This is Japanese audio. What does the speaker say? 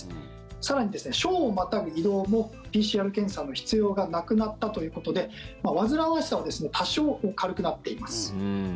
更に、省をまたぐ移動もＰＣＲ検査の必要がなくなったということで煩わしさは多少、軽くなっています。